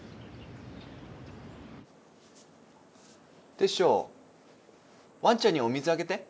テッショウワンちゃんにお水あげて。